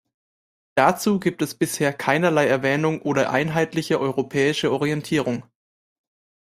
Dazu gibt es bisher keinerlei Erwähnung oder einheitliche europäische Orientierung.